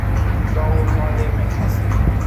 Towo nyo le me.